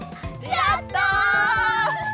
やった！